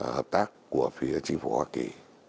hợp tác của phía chính phủ hoa kỳ